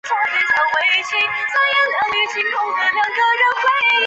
董槐人士。